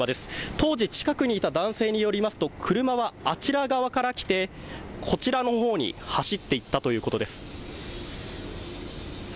当時近くにいた男性によりますと車はあちら側から来てこちらのほうに走っていったということです。